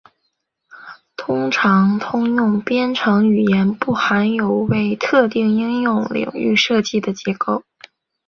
通常通用编程语言不含有为特定应用领域设计的结构。